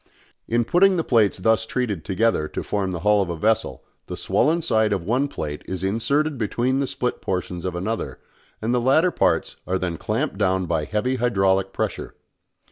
In putting the plates thus treated together to form the hull of a vessel the swollen side of one plate is inserted between the split portions of another and the latter parts are then clamped down by heavy hydraulic pressure.